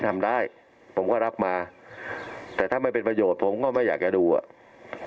รับยอมได้ผมคือรับมาแต่ถ้าไม่เป็นประโยชน์ผมไม่อยากกระดูก